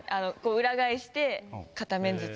裏返して片面ずつ。